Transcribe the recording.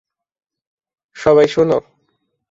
সবাই, শোন!